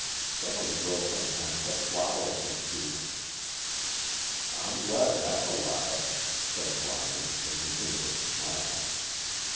Some of the girls sometimes have flowers sent to them." "I'm glad that's allowed," said Lyon, with an inward smile.